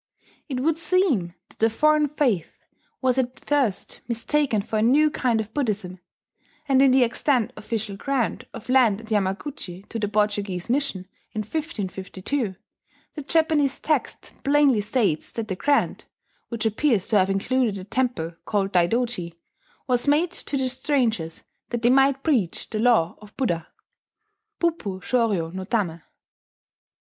It would seem that the foreign faith was at first mistaken for a new kind of Buddhism; and in the extant official grant of land at Yamaguchi to the Portuguese mission, in 1552, the Japanese text plainly states that the grant (which appears to have included a temple called Daidoji) was made to the strangers that they might preach the Law of Buddha " Buppo shoryo no tame.